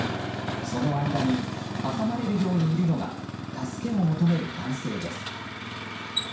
その間に挟まれるようにいるのが助けを求める男性です。